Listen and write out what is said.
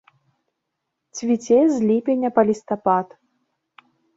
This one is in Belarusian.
Цвіце з ліпеня па лістапад.